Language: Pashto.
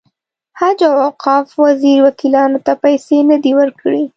حج او اوقاف وزیر وکیلانو ته پیسې نه دي ورکړې.